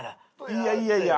いやいやいや。